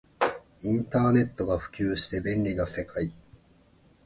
インターネットが普及して便利な世界